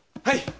はい。